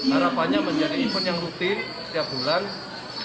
harapannya menjadi event yang rutin setiap bulan